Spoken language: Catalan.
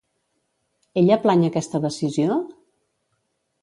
Ella plany aquesta decisió?